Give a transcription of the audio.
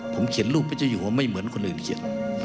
ผมเขียนรูปพระเจ้าอยู่ว่าไม่เหมือนคนอื่นเขียน